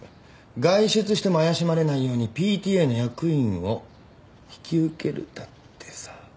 外出しても怪しまれないようにＰＴＡの役員を引き受けるだってさ。